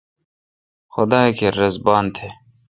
خدا کیر رس بان تھ ۔